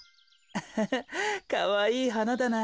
アハハかわいいはなだな。